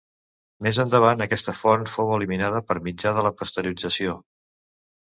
Més endavant, aquesta font fou eliminada per mitjà de la pasteurització.